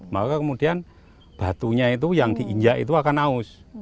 maka kemudian batunya itu yang diinjak itu akan haus